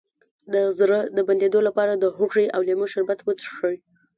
د زړه د بندیدو لپاره د هوږې او لیمو شربت وڅښئ